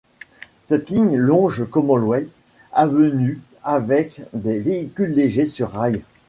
Cette ligne longe Commonwealth Avenue avec des véhicules légers sur rail.